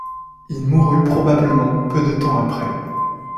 Il mourut probablement peu de temps après.